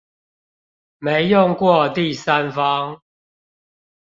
沒用過第三方